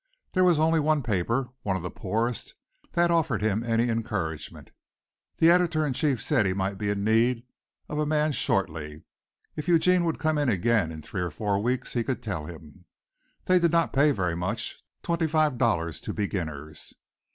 There was only one paper, one of the poorest, that offered him any encouragement. The editor in chief said he might be in need of a man shortly. If Eugene would come in again in three or four weeks he could tell him. They did not pay very much twenty five dollars to beginners.